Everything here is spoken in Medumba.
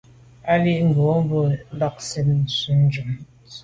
A jíìt ngòó ngò mbā zíìt shùm lo ndzíə́k ncɔ́ɔ̀ʼdə́ a.